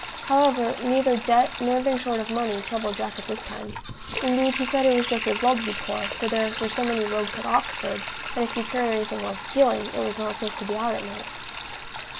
However, neither debt nor being short of money troubled Jack at this time; indeed he said it was just as well to be poor, for there were so many rogues at Oxford, that if you carried anything worth stealing, it was not safe to be out at night.